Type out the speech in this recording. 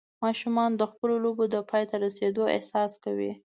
ماشومان د خپلو لوبو د پای ته رسېدو احساس کوي.